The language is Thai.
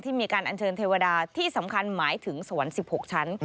มีการอัญเชิญเทวดาที่สำคัญหมายถึงสวรรค์๑๖ชั้น